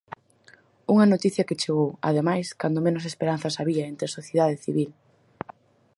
Unha noticia que chegou, ademais, cando menos esperanzas había entre a sociedade civil.